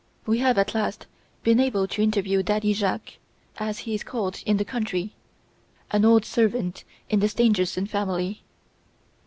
We have, at least, been able to interview Daddy Jacques as he is called in the country a old servant in the Stangerson family.